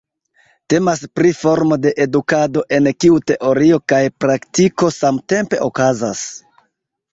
Temas pri formo de edukado en kiu teorio kaj praktiko samtempe okazas.